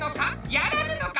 やらぬのか？